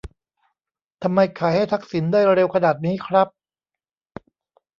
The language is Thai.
ทำไมขายให้ทักษิณได้เร็วขนาดนี้ครับ